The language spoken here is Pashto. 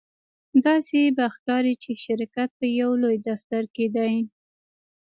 داسې به ښکاري چې شرکت په یو لوی دفتر کې دی